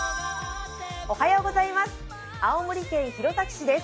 青森県弘前市です。